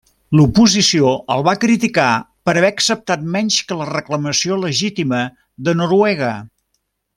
L'oposició el va criticar per haver acceptat menys que la reclamació legítima de Noruega.